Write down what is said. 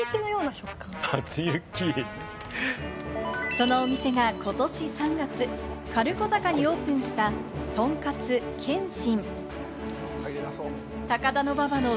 そのお店がことし３月、神楽坂にオープンした、とんかつ憲進。